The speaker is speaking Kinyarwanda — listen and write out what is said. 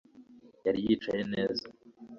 Yari yicaye neza